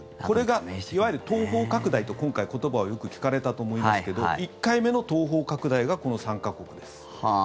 これが、いわゆる東方拡大と今回、言葉がよく聞かれたと思いますけど１回目の東方拡大がこの３か国です。